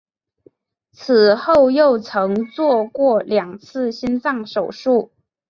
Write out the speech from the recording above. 此后又曾做过两次心脏手术。